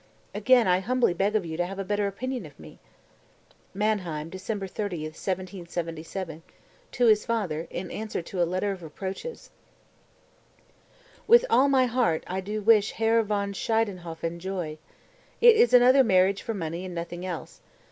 Again I humbly beg of you to have a better opinion of me." (Mannheim, December 30, 1777, to his father, in answer to a letter of reproaches.) 232. "With all my heart I do wish Herr von Schiedenhofen joy. It is another marriage for money and nothing else.